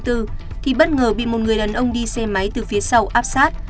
thì bất ngờ bị một người đàn ông đi xe máy từ phía sau áp sát